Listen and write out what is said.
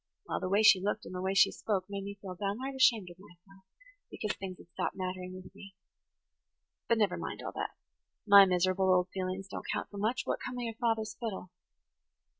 Well, the way she looked and the way she spoke made me feel downright ashamed of myself because things had stopped mattering with me. But never mind all that. My miserable old feelings don't count for much. What come of your father's fiddle?"